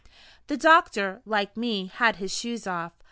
THE doctor (like me) had his shoes off.